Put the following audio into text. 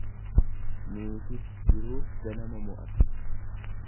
Niitifi jiruu ganama mo'atu.